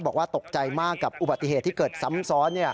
บอกว่าตกใจมากกับอุบัติเหตุที่เกิดซ้ำซ้อน